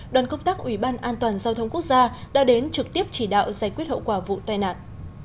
đoàn công tác ủy ban an toàn giao thông quốc gia đã đến trực tiếp chỉ đạo giải quyết hậu quả vụ tai nạn